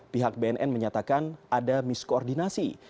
pihak bnn menyatakan ada miskoordinasi